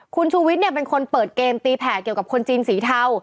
คุณชูวิทย์เป็นคนเปิดเกมตีแผ่เกี่ยวกับคนจีนสีเทา